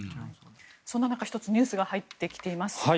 そんな中、１つニュースが入ってきています。